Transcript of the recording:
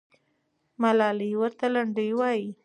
ملالۍ ورته لنډۍ وایي.